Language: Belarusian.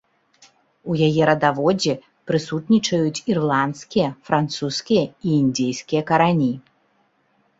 У яе радаводзе прысутнічаюць ірландскія, французскія і індзейскія карані.